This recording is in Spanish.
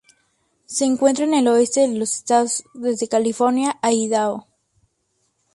Se encuentra en el oeste de los Estados Unidos desde California a Idaho.